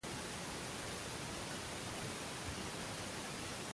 El pan nuestro de cada día, dános lo hoy.